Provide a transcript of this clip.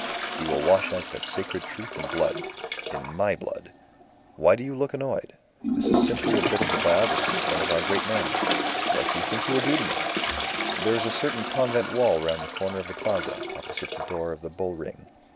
He will wash out that sacred truth in blood. In my blood! Why do you look annoyed? This is simply a bit of the biography of one of our great men. What do you think he will do to me? There is a certain convent wall round the corner of the Plaza, opposite the door of the Bull Ring.